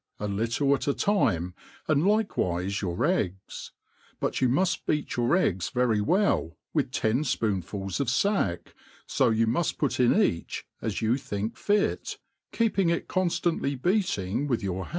a little at a time, and likewife your eggs ; but you muft beat your eggs very well, with ten fpoonfuls of fack, fo you muft put in each ^s you think fit^ keeping it con^antly beating with youi" hand